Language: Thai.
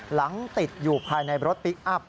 ติดอยู่ภายในรถพลิกอัพ